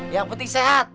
yang penting sehat